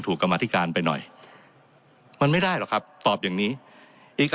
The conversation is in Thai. กรรมธิการไปหน่อยมันไม่ได้หรอกครับตอบอย่างนี้อีก